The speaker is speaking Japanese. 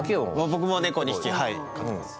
僕も猫２匹飼ってます。